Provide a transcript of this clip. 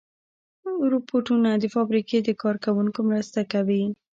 روبوټونه د فابریکې د کار کوونکو مرسته کوي.